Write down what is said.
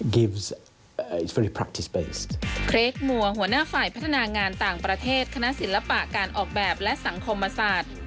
ครีกมัวหัวหน้าฝ่ายพัฒนางานต่างประเทศคณะศิลปะการออกแบบและสังคมศาสตร์